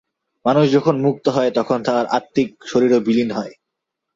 মানুষ যখন মুক্ত হয়, তখন তাহার আত্মিক শরীরও বিলীন হয়।